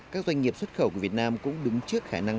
các doanh nghiệp xuất khẩu của việt nam cũng đứng trước khả năng